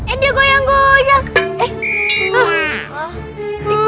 eh dia goyang goyang